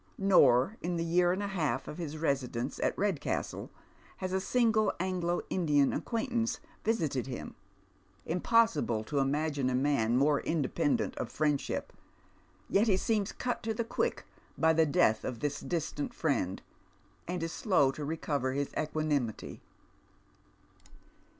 Nor in the year and a half oi hia residence at iS Dead Mens Shoes. Eedcastle has a single Anglo Indian acquaintance visited him. Impossible to imagine a man more independent of friendship, yet lie seems cut to the quick by the death of this distant friend, Hnd is slow to recover liis equanimity.